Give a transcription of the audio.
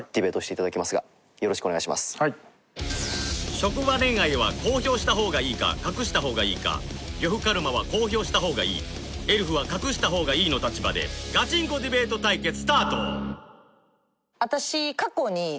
職場恋愛は公表した方がいいか隠した方がいいか呂布カルマは公表した方がいいエルフは隠した方がいいの立場でガチンコディベート対決スタート！